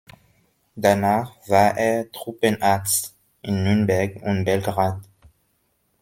Danach war er Truppenarzt in Nürnberg und Belgrad.